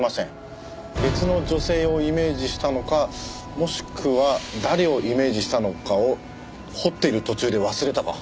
別の女性をイメージしたのかもしくは誰をイメージしたのかを彫っている途中で忘れたか。